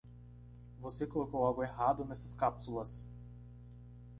Você colocou algo errado nessas cápsulas.